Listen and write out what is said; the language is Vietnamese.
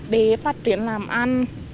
để phát triển làm ăn